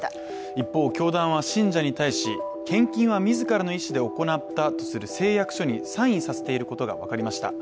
一方、教団は信者に対し、献金は自らの意思で行ったとする誓約書にサインさせていることが分かりました